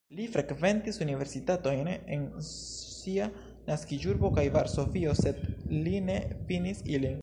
Li frekventis universitatojn en sia naskiĝurbo kaj Varsovio, sed li ne finis ilin.